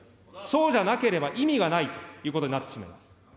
そうじゃなければ、意味がないということになってしまいます。